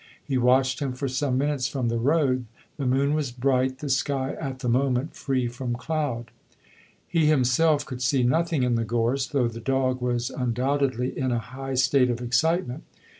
He watched him for some minutes from the road. The moon was bright, the sky at the moment free from cloud. He himself could see nothing in the gorse, though the dog was undoubtedly in a high state of excitement.